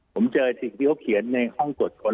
ผมเจอสิ่งที่เขาเขียนในห้องตรวจค้น